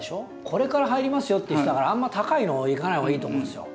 これから入りますよっていう人だからあんま高いのいかない方がいいと思うんですよ。